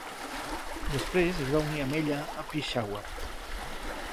Després es va unir amb ella a Peshawar.